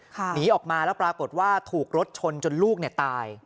หนีออกมาแล้วปรากฏว่าถูกรถชนจนลูกตาย